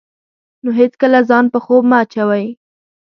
نو هېڅکله ځان په خوب مه اچوئ.